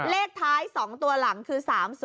เลขท้าย๒ตัวหลังคือ๓๐